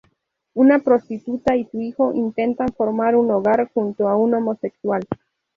Una prostituta y su hijo intentan formar un hogar junto a un homosexual.